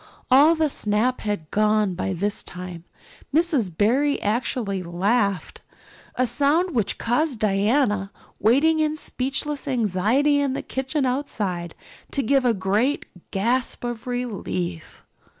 All the snap had gone by this time. Miss Barry actually laughed a sound which caused Diana, waiting in speechless anxiety in the kitchen outside, to give a great gasp of relief.